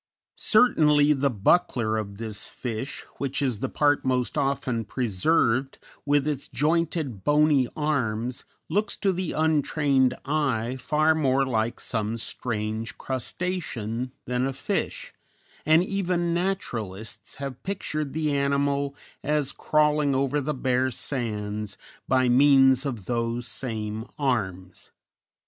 Certainly the buckler of this fish, which is the part most often preserved, with its jointed, bony arms, looks to the untrained eye far more like some strange crustacean than a fish, and even naturalists have pictured the animal as crawling over the bare sands by means of those same arms.